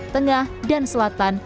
tengah dan selatan